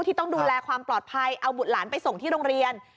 ที่ต้องดูแลความปลอดภัยเอาบุตรหลานไปส่งที่โรงเรียน